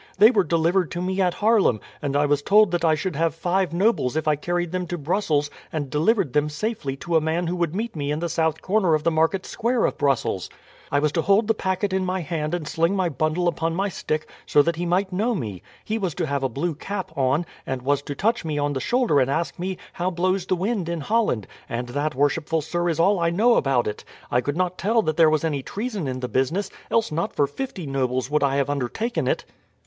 "They were delivered to me at Haarlem, and I was told that I should have five nobles if I carried them to Brussels and delivered them safely to a man who would meet me in the south corner of the Market Square of Brussels. I was to hold the packet in my hand and sling my bundle upon my stick, so that he might know me. He was to have a blue cap on, and was to touch me on the shoulder and ask me 'How blows the wind in Holland?' and that, worshipful sir, is all I know about it. I could not tell that there was any treason in the business, else not for fifty nobles would I have undertaken it."